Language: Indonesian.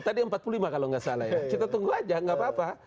tadi empat puluh lima kalau tidak salah ya kita tunggu saja tidak apa apa